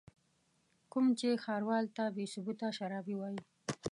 کوم چې ښاروال ته بې ثبوته شرابي وايي.